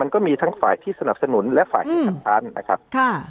ก็มีทั้งฝ่ายที่สนับสนุนและฝ่ายที่คัดค้านนะครับ